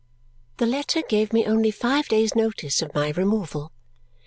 The letter gave me only five days' notice of my removal.